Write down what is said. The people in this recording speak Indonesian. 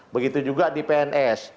begitu juga di pns